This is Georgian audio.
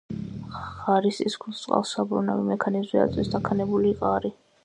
ღარის წისქვილს წყალს საბრუნავი მექანიზმზე აწვდის დაქანებული ღარი.